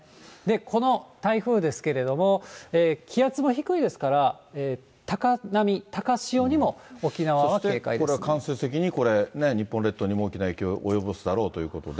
この台風ですけれども、気圧も低いですから、高波、高潮にも沖縄そしてこれは間接的に、日本列島にも大きな影響を及ぼすだろうということで。